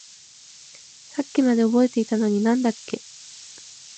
さっきまで覚えていたのに何だっけ？